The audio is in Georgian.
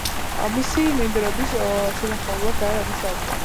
მისი მიმდევრები შეთანხმებულად არ მუშაობდნენ.